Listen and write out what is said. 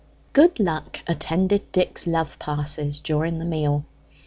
Good luck attended Dick's love passes during the meal.